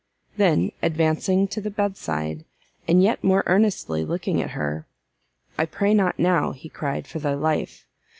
Then, advancing to the bed side, and yet more earnestly looking at her, "I pray not now," he cried, "for thy life!